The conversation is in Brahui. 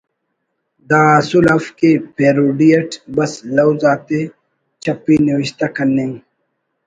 دا اسُل اف کہ پیروڈی اٹ بس لوز آتے چپی نوشتہ کننگ